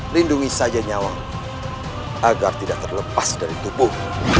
lindungi saja nyawa agar tidak terlepas dari tubuh